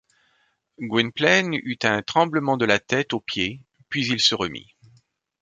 Gwynplaine eut un tremblement de la tête aux pieds, puis il se remit.